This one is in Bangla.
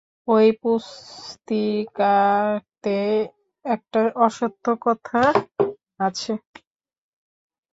ঐ পুস্তিকাতে একটা অসত্য কথা আছে।